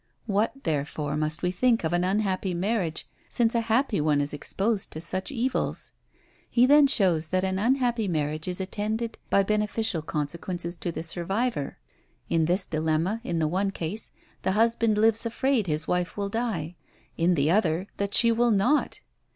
What therefore must we think of an unhappy marriage, since a happy one is exposed to such evils? He then shows that an unhappy marriage is attended by beneficial consequences to the survivor. In this dilemma, in the one case, the husband lives afraid his wife will die, in the other that she will not!